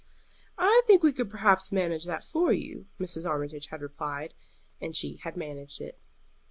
"I think we could perhaps manage that for you," Mrs. Armitage had replied, and she had managed it.